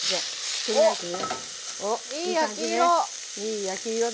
いい焼き色！